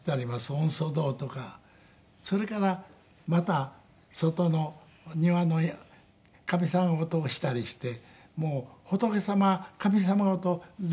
御祖堂とかそれからまた外の庭の神様事をしたりしてもう仏様神様事を全部するわけです。